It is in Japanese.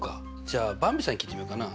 じゃあばんびさんに聞いてみようかな。